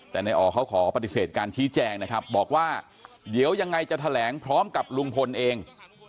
แต่นายอ๋อเขาขอปฏิเสธการชี้แจงนะครับบอกว่าเดี๋ยวยังไงจะแถลงพร้อมกับลุงพลเอง